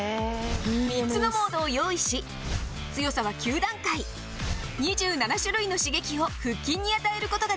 ３つのモードを用意し強さは９段階２７種類の刺激を腹筋に与える事ができるんです。